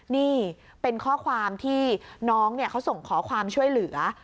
นี่เป็นข้อความที่น้องเขาส่งขอความช่วยเหลือ